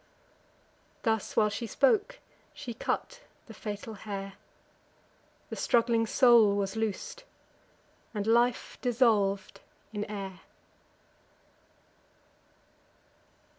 Thus while she spoke, she cut the fatal hair: The struggling soul was loos'd, and life dissolv'd in air.